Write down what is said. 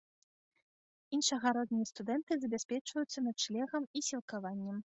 Іншагароднія студэнты забяспечваюцца начлегам і сілкаваннем.